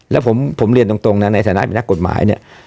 แล้วผมเรียนตรงนะในฐานะเป็นนักกฎหมายเนี่ย